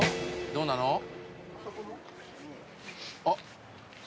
「どうなの？」